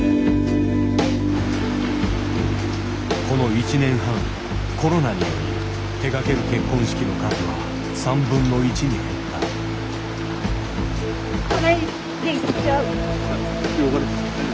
この１年半コロナにより手がける結婚式の数は３分の１に減った。